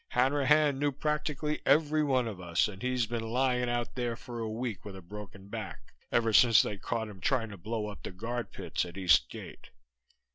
Hanrahan knew practically every one of us, and he's been lying out there for a week with a broken back, ever since they caught him trying to blow up the guard pits at East Gate.